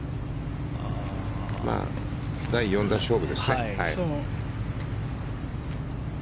第４打勝負です。